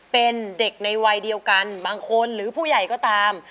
เป็นเด็กในวัยเดียวกันบางคนหรือผู้ใหญ่ก็ตาม